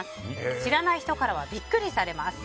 知らない人からはビックリされます。